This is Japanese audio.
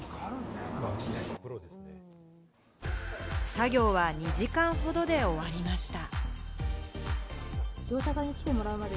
作業は２時間ほどで終わりました。